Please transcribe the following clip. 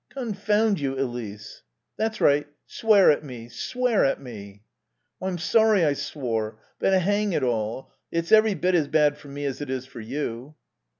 "Confound you, Elise!" "That's right, swear at me. Swear at me." "I'm sorry I swore. But, hang it all, it's every bit as bad for me as it is for you."